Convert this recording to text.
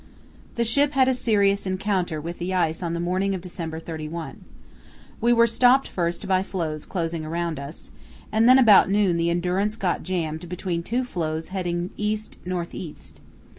The ship had a serious encounter with the ice on the morning of December 31. We were stopped first by floes closing around us, and then about noon the Endurance got jammed between two floes heading east north east.